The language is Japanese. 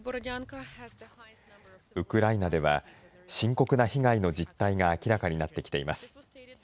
ウクライナでは、深刻な被害の実態が明らかになってきています。